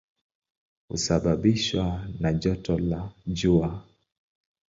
Husababishwa na joto la jua.